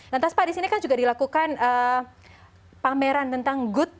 lantas pak disini kan juga dilakukan pameran tentang good design